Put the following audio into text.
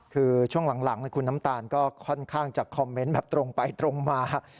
คือช่วงหลังคุณน้ำตาลก็ค่อนข้างจะคอมเมนต์แบบตรงไปตรงมา